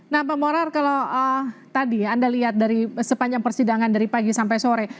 nah pak morar kalau tadi anda lihat dari sepanjang persidangan dari pagi sampai sore